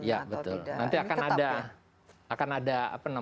ya betul nanti akan ada